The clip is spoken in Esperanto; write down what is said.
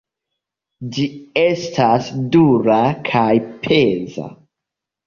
Ĝi estas dura kaj peza.